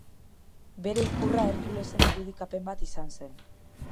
Bere ikurra Herkulesen irudikapen bat izan zen.